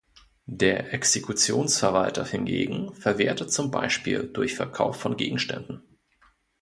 Der Exekutionsverwalter hingen verwertet zum Beispiel durch Verkauf von Gegenständen.